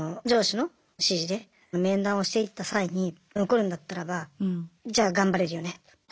上司の指示で面談をしていった際に残るんだったらばじゃあ頑張れるよね